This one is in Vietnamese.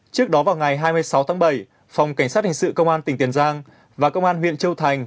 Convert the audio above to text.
trước đó vào ngày hai mươi sáu tháng bảy phòng cảnh sát hình sự công an tỉnh tiền giang và công an huyện châu thành